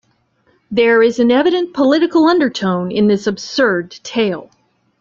There is an evident political undertone in this absurd tale.